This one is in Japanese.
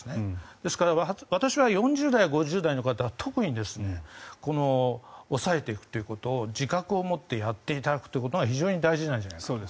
ですから、私は４０代、５０代の方は特に抑えていくということを自覚を持ってやっていただくことが非常に大事じゃないかと。